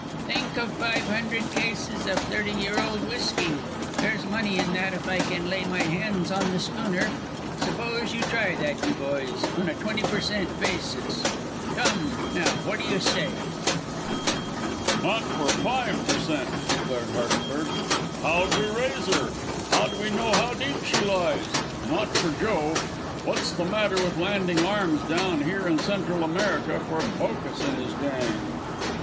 Think of five hundred cases of thirty year old whisky! There's money in that if I can lay my hands on the schooner. Suppose you try that, you boys on a twenty per cent. basis. Come now, what do you say?" "Not for five per cent.," declared Hardenberg. "How'd we raise her? How'd we know how deep she lies? Not for Joe. What's the matter with landing arms down here in Central America for Bocas and his gang?"